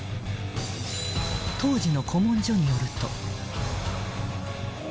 ［当時の古文書によると］